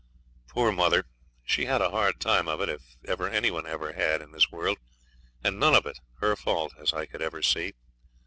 Poor mother! she had a hard time of it if ever any one ever had in this world, and none of it her own fault as I could ever see.